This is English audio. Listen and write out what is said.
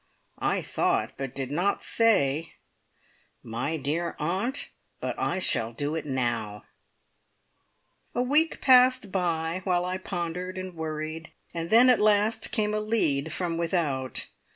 I thought, but did not say: "My dear aunt, but I shall do it now!" A week passed by, while I pondered and worried, and then at last came a "lead" from without.